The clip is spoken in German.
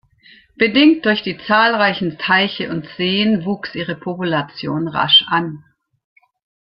Bedingt durch die zahlreichen Teiche und Seen wuchs ihre Population rasch an.